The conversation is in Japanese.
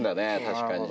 確かに。